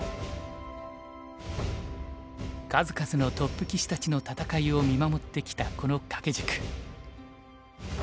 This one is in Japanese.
数々のトップ棋士たちの戦いを見守ってきたこの掛け軸。